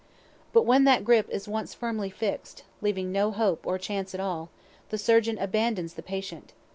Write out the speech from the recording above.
But when that grip is once firmly fix'd, leaving no hope or chance at all, the surgeon abandons the patient.